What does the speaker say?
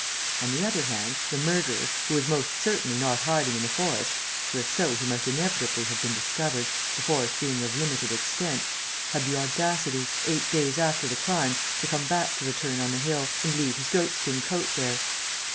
On the other hand, the murderer, who was most certainly not hiding in the forest for, if so, he must inevitably have been discovered, the forest being of limited extent had the audacity, eight days after the crime, to come back to the turn on the hill and leave his goat skin coat there.